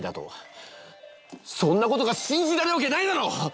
そんなことが信じられるわけないだろ！